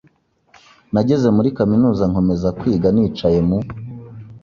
Nageze muri kaminuza nkomeza kwiga nicaye mu